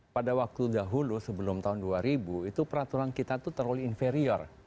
pada waktu dahulu sebelum tahun dua ribu itu peraturan kita itu terlalu inferior